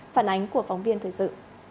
phản ánh của phóng viên thời sự